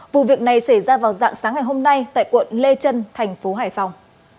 vụ việc này xảy ra vào dạng sáng ngày hôm nay tại quận lê trân thành phố hải phòng